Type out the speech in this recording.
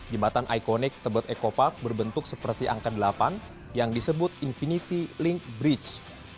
jembatan ikonik tebet eco park berbentuk seperti angka delapan yang disebut infinity link bridge